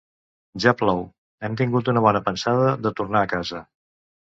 Ja plou: hem tingut una bona pensada de tornar a casa.